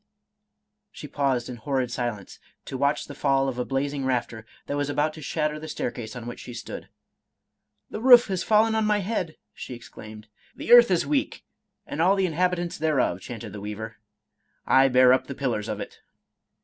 " She paused in horrid silence, to watch the fall of a blazing rafter that was about to shatter the staircase on which she stood. —" The roof has fallen on my head !" she exclaimed. " The earth is weak, and all the inhabitants thereof," chanted the weaver ;" I bear up the pillars of it."